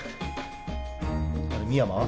あれ深山は？